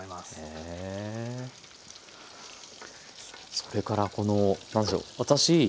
それからこの何でしょう私